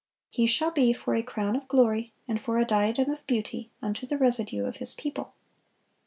He shall be "for a crown of glory, and for a diadem of beauty, unto the residue of His people."